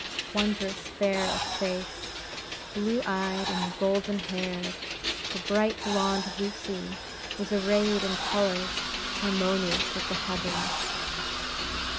Wondrous fair of face, blue eyed, and golden haired, the bright blonde, Lucy, was arrayed in colors harmonious with the heavens.